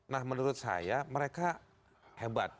nah menurut saya mereka hebat